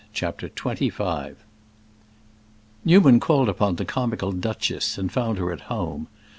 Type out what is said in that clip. CHAPTER XXV Newman called upon the comical duchess and found her at home.